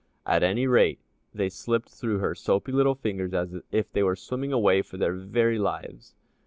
At any rate they slipped through her soapy little fingers as if they were swimming away for their very lives.